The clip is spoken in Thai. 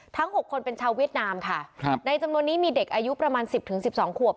หกคนเป็นชาวเวียดนามค่ะครับในจำนวนนี้มีเด็กอายุประมาณสิบถึงสิบสองขวบ